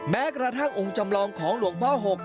แม้กระทั่งองค์จำลองของหลวงพ่อ๖